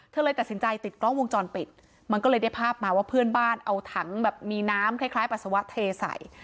เลยตัดสินใจติดกล้องวงจรปิดมันก็เลยได้ภาพมาว่าเพื่อนบ้านเอาถังแบบมีน้ำคล้ายคล้ายปัสสาวะเทใส่